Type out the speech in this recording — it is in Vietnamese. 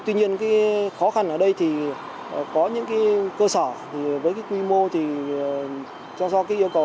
tuy nhiên khó khăn ở đây thì có những cơ sở với quy mô